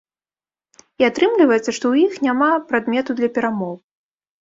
І атрымліваецца, што ў іх няма прадмету для перамоў.